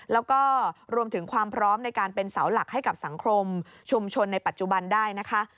แล้วก็รวมถึงความพร้อมในการเป็นเสาหลักให้กับสังคมชุมชนในปัจจุบันได้นะคะ